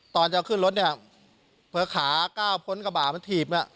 ตอนจะขึ้นรถเนี้ยเพื่อขาก้าวพ้นกระบ่าวมาถีบอ่ะ